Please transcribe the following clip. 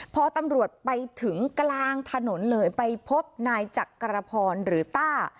พอตำรวจไปถึงกลางถนนเลยไปพบนายจักรพรหรือต้า